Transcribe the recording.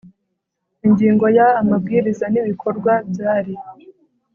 ingingo ya amabwiriza n ibikorwa byari